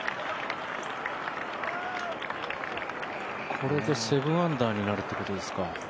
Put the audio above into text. これで７アンダーになるということですか。